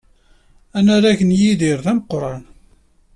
Anarag n Yidir d Moqran.